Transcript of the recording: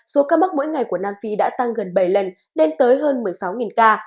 số ca mắc mỗi ngày của nam phi đã tăng gần bảy lần lên tới hơn một mươi sáu ca